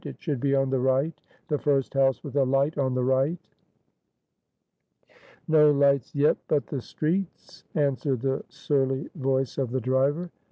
it should be on the right! the first house with a light on the right!" "No lights yet but the street's," answered the surly voice of the driver.